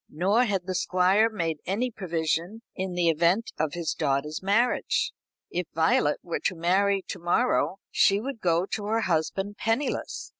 Nor had the Squire made any provision in the event of his daughter's marriage. If Violet were to marry to morrow, she would go to her husband penniless.